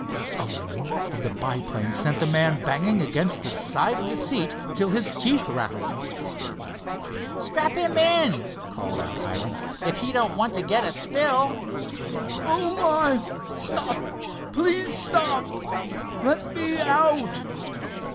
A whirl of the biplane sent the man banging against the side of the seat till his teeth rattled. "Strap him in," called out Hiram, "if he don't want to get a spill." "Oh, my! Stop! Please stop! Let me out!"